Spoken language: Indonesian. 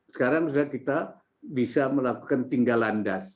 sekarang misalnya kita bisa melakukan tinggal landas